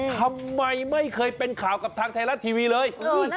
ทำไมไม่เคยเป็นข่าวกับทางไทยรัฐทีวีเลย